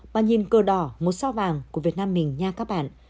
mà nhìn cờ đỏ một sao vàng của việt nam mình nha các bạn